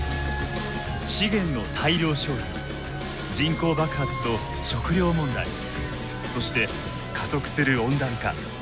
資源の大量消費人口爆発と食糧問題そして加速する温暖化。